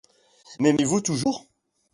M'aimez-vous toujours?